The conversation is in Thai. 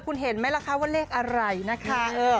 คุณเห็นไหมล่ะคะว่าเลขอะไรนะคะ